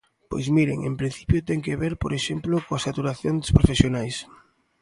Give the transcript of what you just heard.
Pois, miren, en principio, ten que ver, por exemplo, coa saturación dos profesionais.